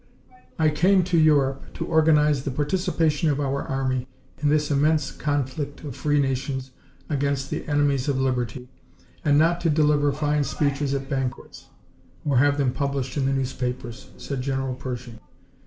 "I came to Europe to organize the participation of our army in this immense conflict of free nations against the enemies of liberty, and not to deliver fine speeches at banquets, or have them published in the newspapers," said General Pershing.